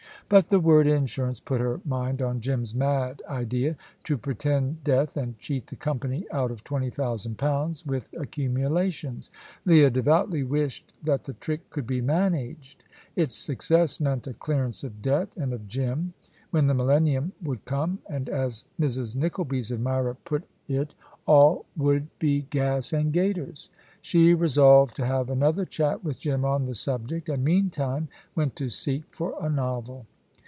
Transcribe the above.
But the word insurance put her mind on Jim's mad idea to pretend death and cheat the company out of twenty thousand pounds, with accumulations. Leah devoutly wished that the trick could be managed. Its success meant a clearance of debt and of Jim, when the millennium would come, and, as Mrs. Nickleby's admirer put it, "all would be gas and gaiters." She resolved to have another chat with Jim on the subject, and meantime went to seek for a novel.